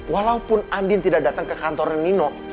walaupun andin tidak datang ke kantor nino